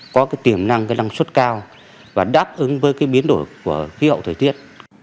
có cái tiềm năng cái năng suất cao và đáp ứng với cái biến đổi của khí hậu thời tiết